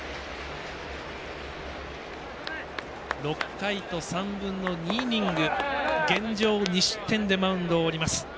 ６回と３分の２イニング現状、２失点でマウンドを降ります。